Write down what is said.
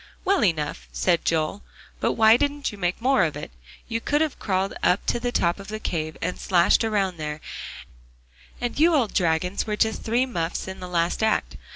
"Well enough," said Joel, "but why didn't you make more of it? You could have crawled up on top of the cave, and slashed around there; and you old dragons were just three muffs in the last act.